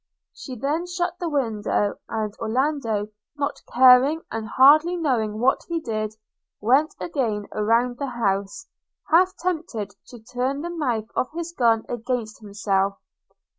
She then shut the window; and Orlando, not caring and hardly knowing what he did, went again around the house – half tempted to turn the mouth of his gun against himself.